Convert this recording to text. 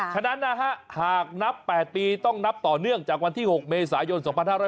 ฉะนั้นนะฮะหากนับ๘ปีต้องนับต่อเนื่องจากวันที่๖เมษายน๒๕๖๐